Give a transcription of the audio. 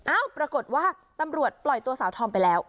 ปรากฏว่าตำรวจปล่อยตัวสาวธอมไปแล้ว